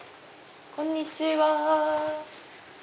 こんにちは。